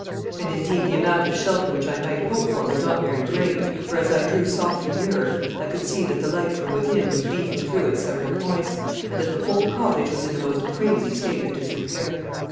And, indeed, the amount of shelter which I might hope for was not very great, for as I drew softly nearer I could see that the light from within was beating through at several points, and that the whole cottage was in the most crazy state of disrepair.